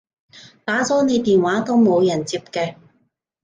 打咗你電話都冇人接嘅